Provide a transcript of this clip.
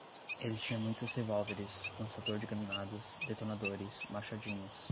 Ele tinha muitos revólveres, lançador de granadas, detonadores, machadinhas